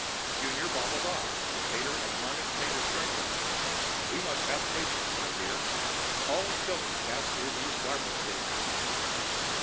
Junior bobbled off, and Pater admonished Mater sternly, "We must have patience, my dear! All children pass through these larval stages...."